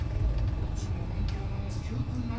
どっちも本当のＱくんなんじゃないか？